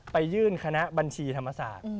ไปยื่นคณะบัญชีธรรมศาสตร์